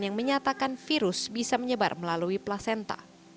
yang menyatakan virus bisa menyebar melalui placenta